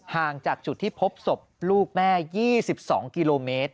ห่างจากจุดที่พบศพลูกแม่๒๒กิโลเมตร